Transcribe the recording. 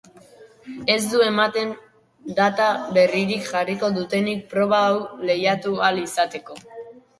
Ez du ematen data berririk jarriko dutenik proba hau lehiatu ahal izateko.